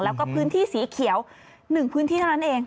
แล้วก็พื้นที่สีเขียว๑พื้นที่เท่านั้นเอง